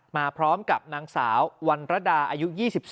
มาพร้อมกับนางสาววันระดาอายุ๒๒